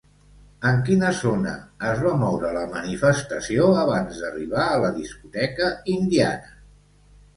En quina zona es va moure la manifestació abans d'arribar a la discoteca Indiana?